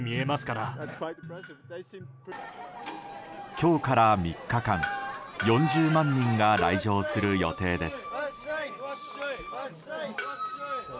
今日から３日間４０万人が来場する予定です。